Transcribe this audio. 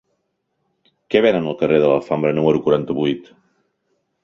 Què venen al carrer de l'Alfambra número quaranta-vuit?